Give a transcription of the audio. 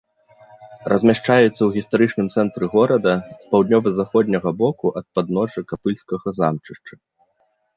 Размяшчаецца ў гістарычным цэнтры горада з паўднёва-заходняга боку ад падножжа капыльскага замчышча.